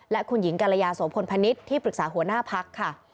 และคุณหญิงกรยาโสพลพนิษฐ์ที่ปรึกษาหัวหน้าพักค่ะ